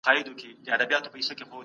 عدالت د ټولني بنسټ دی.